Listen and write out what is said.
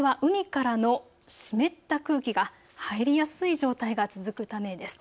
これは海からの湿った空気が入りやすい状態が続くためです。